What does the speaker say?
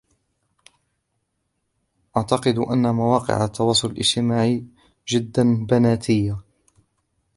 اعتقد أن مواقع التواصل الإجتماعي جدا بناتية.